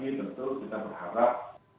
menjadi pelajar yang baik